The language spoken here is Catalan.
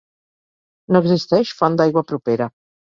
No existeix font d'aigua propera.